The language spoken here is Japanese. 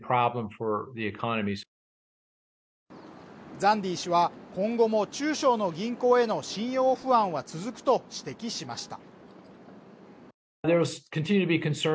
ザンディ氏は、今後も中小の銀行への信用不安は続くと指摘しました。